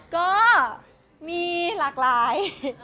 ก็มีหลากหลาย